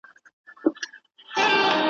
که خندا ده که ژړا ده په ریا ده ,